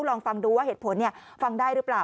ลองฟังดูว่าเหตุผลฟังได้หรือเปล่า